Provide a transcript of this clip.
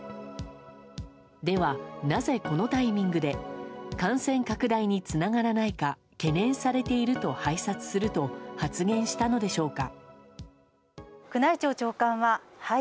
では、なぜこのタイミングで感染拡大につながらないか懸念されていると拝察すると発言したのでしょうか。